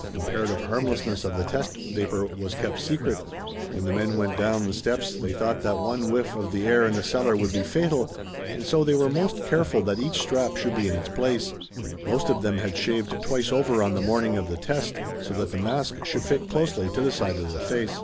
The comparative harmlessness of the test vapor was kept secret. When the men went down the steps they thought that one whiff of the air in the cellar would be fatal and so they were most careful that each strap should be in its place. Most of them had shaved twice over on the morning of the test so that the mask should fit closely to the side of the face.